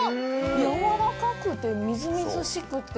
やわらかくてみずみずしくて。